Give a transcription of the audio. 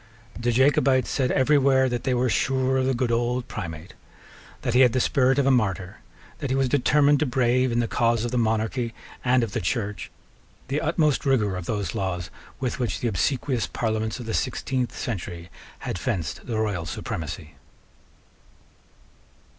The Jacobites said every where that they were sure of the good old Primate; that he had the spirit of a martyr; that he was determined to brave, in the cause of the Monarchy and of the Church, the utmost rigour of those laws with which the obsequious parliaments of the sixteenth century had fenced the Royal Supremacy.